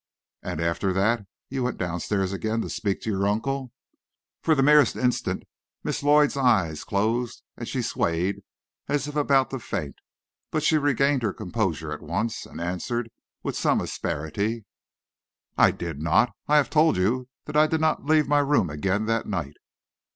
"And after that, you went down stairs again to speak to your uncle?" For the merest instant Miss Lloyd's eyes closed and she swayed as if about to faint, but she regained her composure at once, and answered with some asperity, "I did not. I have told you that I did not leave my room again that night."